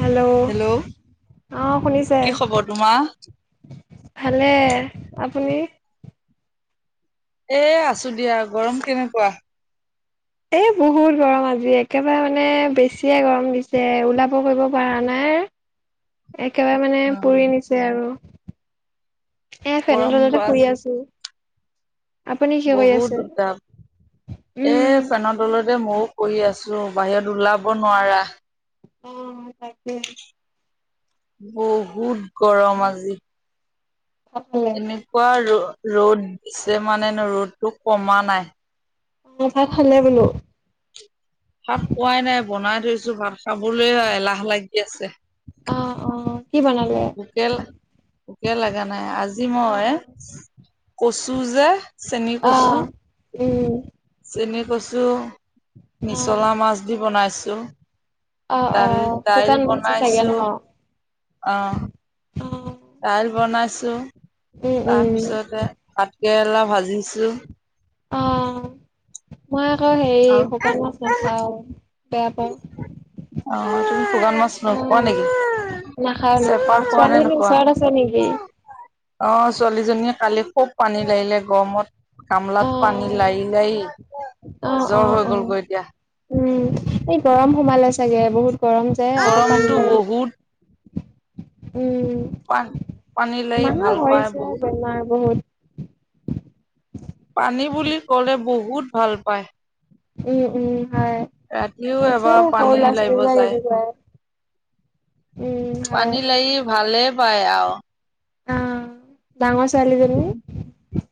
Hello hello অ শুনিছে কি খবৰ তোমাৰ? ভালে আপুনি এ আছো দিয়া গৰম কেনেকুৱা? এ বহুত গৰম আজি একেবাৰে মানে বেছিয়ে গৰম দিছে ওলাব কৰিব পৰা নাই। হয়। একেবাৰে মানে পুৰি নিছে আৰু এ ফেনেত গৰম তলতে শুই আজি আছো। আপুনি কি কৰি বহুত আছে তাপ এ উম ফেন তলত ময়ো কৰি আছো বাহিৰত ওলাব নোৱাৰা। অ' তাকেই বহুত গৰম আজি ভাত খালে এনেকুৱা ৰ'দ দিছে মানেন ৰ'দটো কমা নাই। অ' ভাত খালে বোলো। ভাত খুৱাই নাই। বনাই থৈছো ভাত খাবলৈ এলাহ লাগি আছে। অ' অ' কি বনালে পোকে পোকে লগা নাই। আজি অ মই অ কচু যে অ উম চেনি কৈছো অ মিছলা মাছ দি বনাইছো। অ অ দাল দাইল শুকান মাছে চাগে ন বনাইছো অ আহ। দাইল বনাইছো উম উম তাৰপিছতে ভাত কেৰেলা ভাজিছো অ মই আকৌ হেৰি আৰু শুকান মাছ নাখাও। বেয়া পাওঁ অ তুমি শুকান মাছ ৰ পোৱা নেকি? হয় নাখাওঁ চেপা নাখাও খোৱা ছোৱালী নে জনি নোখোৱা ওচৰত আছে নেকি? অ ছোৱালীজনীয়ে কালি খুব পানী লাগিলে গৰমত কমলাত পানী অ', লাৰি লাৰি অ', জ্বৰ অ', হৈ অ'। গলগৈ এতিয়া উম [unintelligible] এই গৰম সোমালে চাগে বহুত গৰম যায় আকৌ পানী গৰমটো বহুত থাকিল পা উম পানী লাৰি ভাল মানুহ হৈ পায় হৈছে বহুত বেমাৰ বহুত পানী বুলি ক'লে বহুত ভাল পায়। উম, উম হয় ৰাতিও আছে এবাৰ সৰু পানী ল'ৰা ও ছোৱালী লাৰিব বিলাক যায়। এনেকুৱাই। উম হয় পানী লাগি ভালে পায় আ অ ডাঙৰ ছোৱালী জনি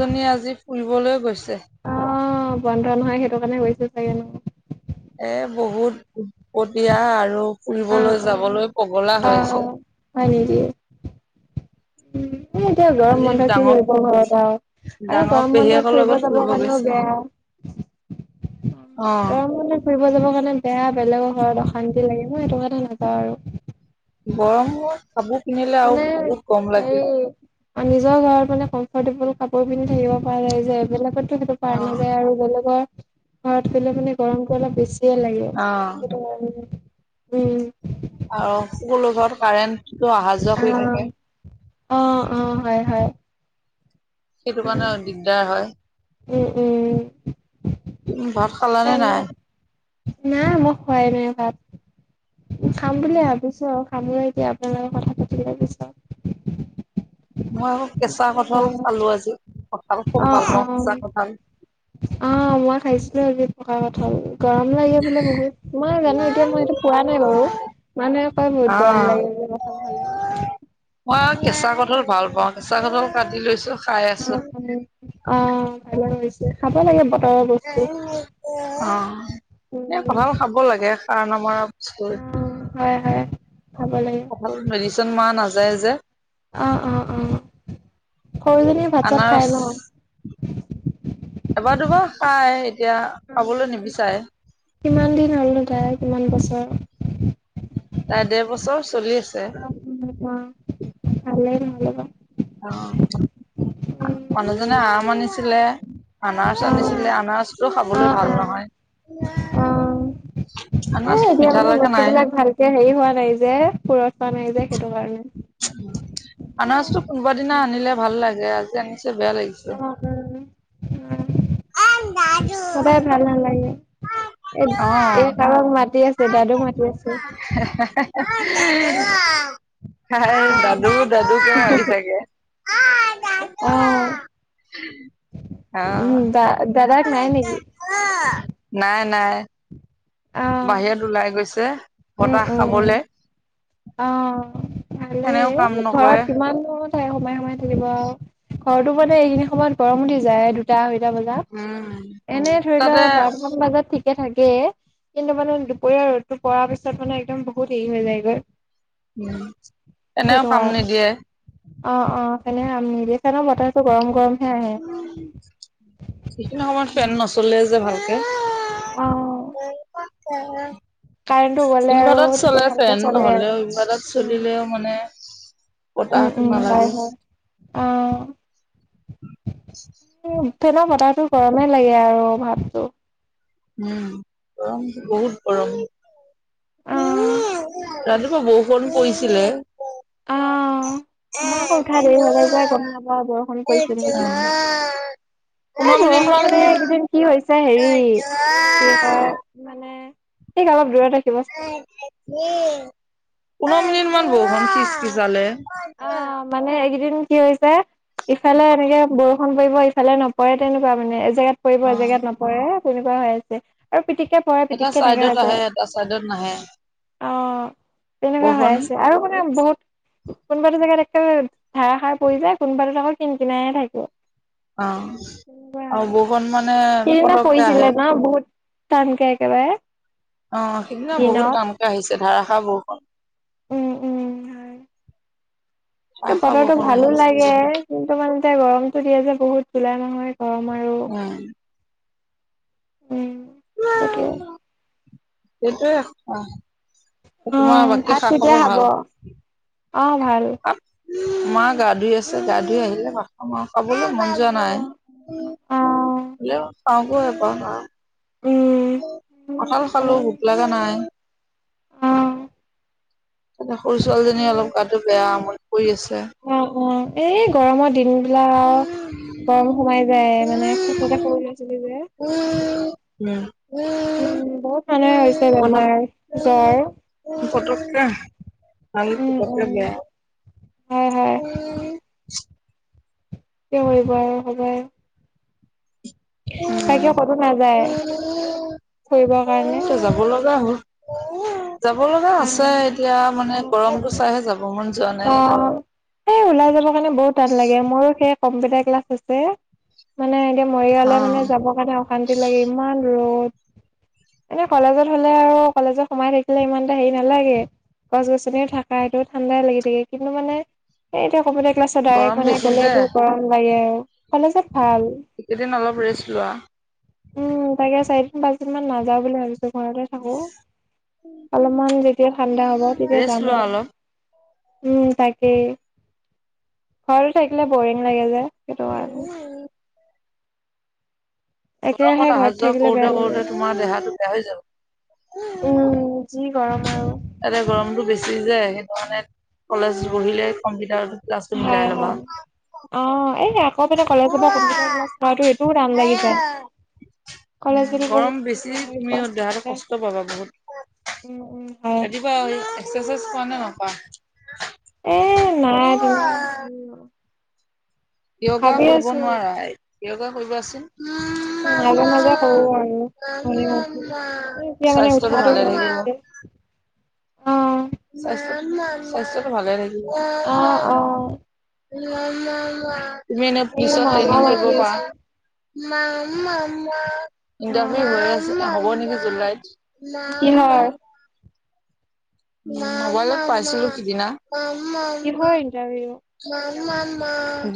জনি আজি ফুৰিবলৈ গৈছে। অ বন্ধ নহয় সেইটো কাৰণে গৈছে চাগে ন। এ বহুত উৎপটীয়া আৰু অ', ফুৰিবলৈ যাবলৈ পগলা হৈ আছে। উ উম এতিয়া গৰম আজি বন্ধ কি ডাঙৰ কৰিব ঘৰত আৰু আৰু ডাঙৰ গৰম বন্ধত পেহীয়েকৰ ফুৰিব লগত যাব কাৰণেও গৈছে বেয়া [inaudible] অ গৰম বন্ধত ফুৰিব যাব কাৰণে বেয়া বেলেগৰ ঘৰত অশান্তি লাগে। মই এটোক কথা নাযাওঁ আৰু গৰমত খাব। মানে হে নিজৰ ঘৰত মানে কম। এফৰ্টেবল কাপোৰ পিন্ধি থাকিব পৰা যায় যে বেলেগতো সেইটো পাৰ অ নাযায় আৰু বেলেগৰ [unintelligible] ঘৰত গলে মানে গৰমটো অলপ বেছিয়ে লাগে অ সেইটো উম। আৰু সকলো ঘৰ কাৰেন্টটো আহা যোৱা কৰি থাকে। অ অ অ হয় হয়। সেইটো উম কাৰণে দিগদাৰ হয়। উম উম। তুমি ভাত খালানে নাই? ফেনত নাই মই খোৱাই নাই ভাত। খাম বুলি ভাবিছো আৰু আমি এতিয়া আপোনালোকে কথা পাতি বিছাৰো মই আকৌ কেঁচা কঠাল খালো আজি কঠাল খুব অঁ ভাল পাওঁ অঁ কেঁচা অঁ মই খাইছিলো আজি পকা কঠাল গৰম লাগে বোলে বহুত ম মই জানো এতিয়া মই এইটো পোৱা নাই বাৰু কঠাল মানে কয় বহুত গৰম লাগে যে কথা ভালে অঁ কেঁচা কঠাল ভাল পাওঁ, কেঁচা কঠাল কাটি লৈছো খাই আছো। অঁ অঁ ভালে হৈছে খাব লাগে। বতৰৰ বস্তু। অঁ এ উম কঠাল খাব লাগে। কাৰণ আমাৰ হয় হয় খাব লাগে অকল মিছে [unintelligible] মা নাযায় যে আঁহ অঁ অঁ সৰুজনীয়ে ভাত চাত খাই আনাৰস ন। এবাৰ দুবাৰ খাই এতিয়া খাবলৈ নিবিচাৰে। কিমান দিন হ'ল দাদা কিমান বছৰ তাই দেৰ বছৰ চলি আছে [unintelligible] ভালে ন'হলে বা। অহ, মানুহজনে আম আনিছিলে আনাৰচ উম আনিছিলে, আনাৰচটো অ খাবলৈ অ ভাল নহয়। অ এ আনাৰসটো এতিয়া মিঠা মানে লগা নাই, বস্তুবিলাক ভালকে হেৰি হোৱা নাই যে পুৰঠ হোৱা নাই যে সেইটো কাৰণে। আনাৰচটো কোনবা দিনা আনিলে ভাল লাগে আজি আনিছে। বেয়া লাগিছে। অহ, উম- উম সদায় ভাল নালাগে। এ কাৰণ [unintelligible] তাই অ দাদু- দাদুকে মাতি থাকে। অহ। অহ অহ, নাই নেকি নাই -নাই। অ বাহিৰত ওলাই গৈছে উম বতাহ উম খাবলে। অ', সেনেও ভালেই কাম নকৰে। ঘৰত কিমাননো ঠাই সোমাই -সোমাই থাকিব আৰু ঘৰটো মানে এইখিনি সময়ত গৰম উঠি যায় দুটা আঢ়ৈ তা উম, বজাত এনে ধৰি তাতে লোৱা বাৰটামান বজাত ঠিকে থাকে। কে কিন্তু মানে দুপৰীয়া ৰ'দটো পৰাৰ পিছত মানে একদম বহুত হেৰি হৈ যায়গৈ। উম, এনেও সেইটো কাম কাৰণে। নিদিয়ে অ', -অ ', এই ফেনে কাম নিদিয়ে ফেনৰ বতাহটো গৰম- গৰম। সেইখিনি সময়ত ফেন নচলে যে ভালকে অহ আৰু ইনভাৰ্টত তেতিয়া চলে ভালকে ফেন চলে আৰু। নহ'লেও ইনভাৰ্টত চলিলেও মানে উম বতাহটো -উম, নালাগে। হয়- হয় অহ। ফেনৰ বতাহটো গৰমে লাগে আৰু ভাবটো। উম, গৰম বহুত গৰম অ', [unintelligible] ৰাতিপুৱা বৰষুণ পৰিছিলে আওঁ মই আকৌ উঠা দেৰি হলে যে গম নাপাওঁ বৰষুণ পৰিছে নেকি। পোন্ধৰ এই মিনিট বৰষুণ মান মানে এইকেইদিন কি হৈছে হেৰি কি কৈ মানে এইক অলপ দূৰত ৰাখি [unintelligible] পোন্ধৰ মিনিট মান [unintelligible] খিচ - খিচালে। অ মানে এই কেইদিন দিন কি হৈছে ইফালে এনেকে বৰষুণ পৰিব ইফালে নপৰে তেনেকুৱা মানে জেগাত পৰিব অ'। এ জেগাত নপৰে তেনেকুৱা হৈ আছে আৰু পিটিককে পৰে এটা পিতিককে নাইকিয়া চাইডত হৈ আহে যায়। এটা চাইডত নাহে অ', তেনেকুৱা হৈ বৰষুণ আছে আৰু মানে শুনা বহুত কোনোবাটো জেগাত একে ধাৰাসাৰ পৰি যায় কোনোবাতোত আকৌ কিনকিনাইহে থাকিব। অহ - অহ বৰষুণ মানে সেইদিনা পতককে আহে পৰিছিলে ন' বহুত টানকে একেবাৰে? অহ, সেইদিনা বহুত দিনত টামকে আহিছে ধাৰাসাৰ বৰষুণ। উম উম হয় ধাৰাসাৰ বতৰটো বৰষুণ ভালো আহিছে লাগে কিন্তু মানে এতিয়া গৰমটো দিয়ে যে বহুত জুলাই মাহৰ গৰমৰ উম উম সেইটোৱে [unintelligible] এইটোৱে কথা। অ তোমাৰ বাকী খা -খবৰ ভাল? অহ, ভাল। মা গা ধুই আছে গা ধুই আহিলে ভাত খাম আৰু খাবলে মন যোৱা নাই অ [unintelligible] উম কঁঠাল খালোঁ ভোক লাগা নাই। [inaudible] তাতে সৰু ছোৱালীজনী অলপ গাটো বেয়া আমনি কৰি আছে। অহ - অহ এই গৰমৰ দিন বিলাক গৰম সোমাই যায় মানে [unintelligible] সৰু ল'ৰা-ছোৱালী যে। উম বহুত মানুহে হৈছে বেমাৰ জ্বৰ পতককে ভাল উম পটককে উম বেয়া হয় হয় [unintelligible] [inaudible] কিয় কৰিব আৰু সবাই বাকী ক'তো নাযায় ফুৰিবৰ এয়াই যাব লগা হ'ল উম যাব লগা আছে কাৰণে এতিয়া মানে গৰমতটো চাইহে যাব মান অহ ওলাই যাবৰ কাৰণে বহুত টান লাগে মোৰো সেই কম্পিউটাৰ ক্লাছ আছে মানে এতিয়া মৰিয়ালে মানে অ', যাবৰ কাৰণে অশান্তি লাগে ইমান ৰ'দ [inaudible] এনে কলেজত হলে আৰু কলেজত সোমাই থাকিলে ইমান এটা হেৰি নালাগে গছ গছনি থাকাইটো ঠাণ্ডাই লাগি থাকে কিন্তু মানে এতিয়া কম্পিউটাৰ ক্লাছত গৰম ডাইৰেক্ট মানে বেছি গ'লে যে এইটো গৰম লাগে কলেজ ত ভাল এইকেইদিন অলপ ৰেষ্ট লোৱা। উম তাকে চাই পাচঁ দিন মান নায়াওঁ বুলি ভাবিছো ঘৰতে থাকো অলপমান যেতিয়া ঠাণ্ডা হ'ব তেতিয়া ৰেষ্ট যাম লোৱা আৰু অলপ। উম তাকেই ঘৰ থাকিলে বৰিং লাগে যে সেইটো কাৰণে উম একেৰাহে গৰমত অহা ঘৰত যোৱা থাকিলে কৰোঁতে বেয়া লাগে। কৰোঁতে তোমাৰ দেহাটো বেয়া হৈ উম, যাব যি গৰম আৰু। তাতে গৰমতটো বেছি যায় সেইটো কাৰণে কলেজ বহিলে কম্পিউটাৰ ক্লাছটো হয়, মিলাই ল'বা হয়। অ এই আকৌ মানে কলেজৰ পৰা কম্পিউটাৰ ক্লাছ কৰা এইটোও টান লাগি যায় কলেজ গৰম বহুত বেছি মানে তুমি দেহাটো ক্লাছ কষ্ট পাবা বহুত। উম উম হয়। ৰাতিপুৱা এক্সাৰচাইজ কৰা নে নকৰা এ নাই [unintelligible] য়গা ভাবি কৰিব আছো নোৱাৰা য়গা কৰিব আছে মাজে মাজে কৰো আৰু মৰ্ণিং উঠি। এই এতিয়া মানে স্বাস্থ্যটো উঠাটো ভালে হোৱা নাই থাকিব [inaudible] যে। অ', স্বাস্থ্য স্বাস্থ্যটো ভালে থাকিব অ', অ'। তুমি এনে এই পুলিচত মামা ট্ৰেইনিং মাতি কৰিব পাৰা আছে। অ'। ইটাৰভিউ হৈ আছে হ'ব নেকি জুলাইত কিহৰ? [unintelligible] [inaudible] উ মোবাইলত পাইছিলো সিদিনা কিহৰ ইণ্টাৰভিউ?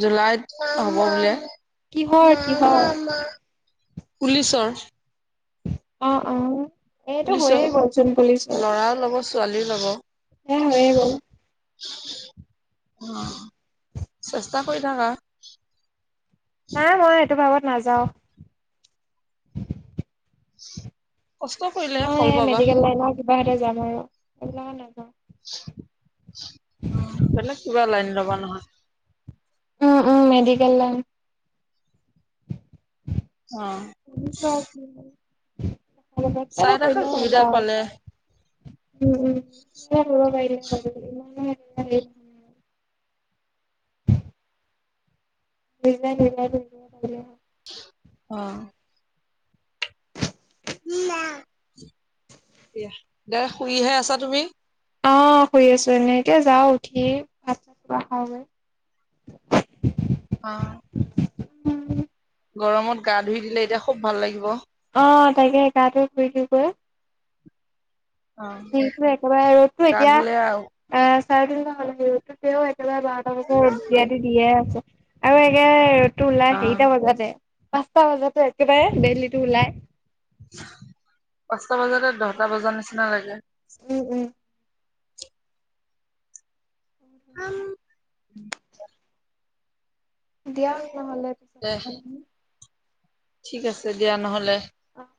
জুলাইত হ'ব বোলে কিহৰ, কিহৰ? পুলিচৰ অ অ এইটো পুলিচৰ হৈয়ে গলচোন পুলিচৰ ল'ৰাও ল'ব ছোৱালীও লব হয়য়ে গল অ চেষ্টা কৰি থাকা নাই মই এইটো ভাবত নাযাও কষ্ট কৰিলেহে ফল পাবা হতে যাম আৰু এইবিলাকত নাযাওঁ বেলেগ কিবা লাইন ল'বা নহলে উম উম মেডিকেল লাইন অ কিবা হল চাই থাকা সুবিধা আৰু পালে উম উম ধুনীয়া ধুনীয়া [unintelligible] অ দে শুইহে আছা তুমি অ শুই আছো এনেকে যাওঁ উঠি ভাত কেইটা খাওঁগৈ অ গৰমত গা ধুই দিলে এতিয়া খুব ভাল লাগিব অ তাকে গাটো ধুই দিও গৈ যিতু একেবাৰে ৰ'দটো গা এতিয়া ধুলে আৰু আ চাৰে তিনিটা হল তেওঁ একেবাৰে বাৰটা বজা ৰ'দ দিয়াদি দিয়ে আছে আৰু একে অ ওলাই সেইৰিটা বজাতে পাঁচটা বজাতে একেবাৰে বেলিটো ওলাই [unintelligible] পাঁচটা বজাতে দহটা বজাৰ নিচিনা লাগে উম উম আম দিয়া নহ'লে দে ঠিক আছে দিয়া নহলে অ'।